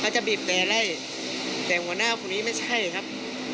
จะบีบแต่ไล่แต่หัวหน้าคนนี้ไม่ใช่ครับ